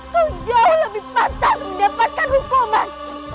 kau jauh lebih patah mendapatkan hukuman